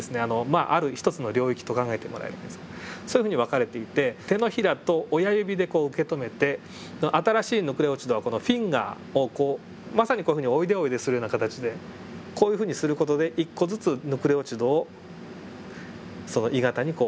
まあある一つの領域と考えてもらえればいいんですけどそういうふうに分かれていて手のひらと親指で受け止めて新しいヌクレオチドはこのフィンガーをこうまさにこういうふうにおいでおいでするような形でこういうふうにする事で１個ずつヌクレオチドをその鋳型にこう置いていくと。